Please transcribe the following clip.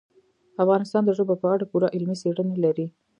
افغانستان د ژبو په اړه پوره علمي څېړنې لري.